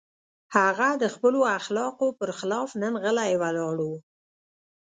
هغه د خپلو اخلاقو پر خلاف نن غلی ولاړ و.